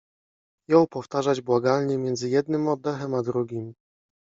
Jął powtarzać błagalnie między jednym oddechem a drugim.